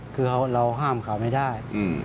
คือเราห้ามเขาไม่ได้